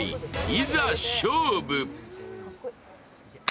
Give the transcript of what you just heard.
いざ勝負！